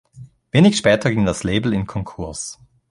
Wenig später ging das Label in Konkurs.